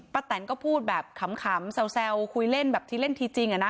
ป้าแตนก็พูดแบบขำขำแซวแซวคุยเล่นแบบที่เล่นทีจริงอะน่ะ